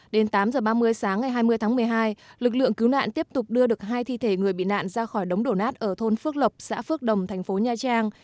đến tám h ba mươi sáng ngày hai mươi tháng một mươi hai lực lượng cứu nạn tiếp tục đưa được hai thi thể người bị nạn ra khỏi đống đổ nát ở thôn phước lộc xã phước đồng thành phố nha trang